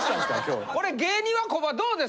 これ芸人はコバどうですか？